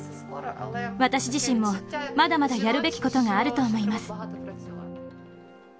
私自身も、まだまだやるべきことがあると思います。